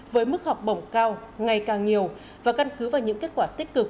với mức học bổng cao ngày càng nhiều và căn cứ vào những kết quả tích cực